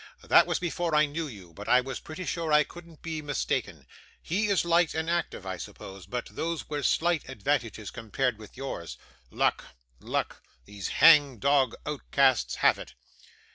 That was before I knew you, but I was pretty sure I couldn't be mistaken. He is light and active, I suppose. But those were slight advantages compared with yours. Luck, luck! These hang dog outcasts have it.